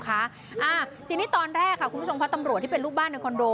อ่าทีนี้ตอนแรกค่ะคุณผู้ชมเพราะตำรวจที่เป็นลูกบ้านในคอนโด